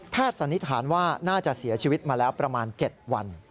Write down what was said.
สันนิษฐานว่าน่าจะเสียชีวิตมาแล้วประมาณ๗วัน